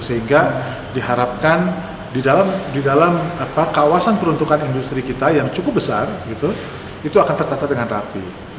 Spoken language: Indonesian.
sehingga diharapkan di dalam kawasan peruntukan industri kita yang cukup besar itu akan tertata dengan rapi